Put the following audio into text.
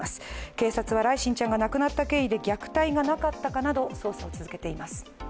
警察は來心ちゃんが亡くなった経緯で虐待がなかったなど捜査を続けています。